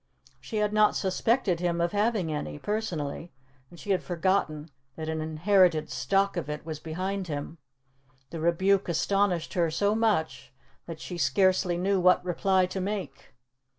She had not suspected him of having any, personally, and she had forgotten that an inherited stock of it was behind him. The rebuke astonished her so much that she scarcely knew what reply to make.